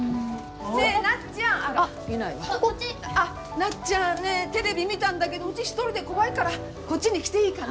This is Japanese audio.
なっちゃんねえテレビ見たんだけどうち一人で怖いからこっちに来ていいかな？